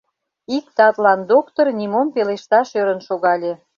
Ик татлан доктыр нимом пелешташ ӧрын шогале: